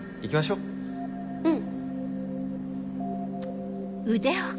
うん。